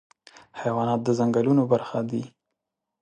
حیوانات د ځنګلونو برخه دي.